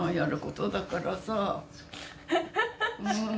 うん。